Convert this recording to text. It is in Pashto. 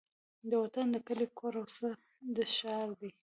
د وطن د کلي کور او څه د ښار دي